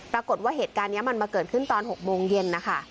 ปรากฏว่าเหตุการณ์นี้มันมาเกิดขึ้นตอน๖โมงเย็นนะคะ